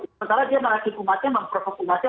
sementara dia menghasilkan umatnya memprovok umatnya